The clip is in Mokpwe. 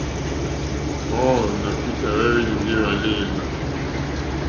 Paul nà Peter hwá hwélì ndí hwàléèlì.